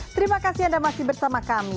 terima kasih anda masih bersama kami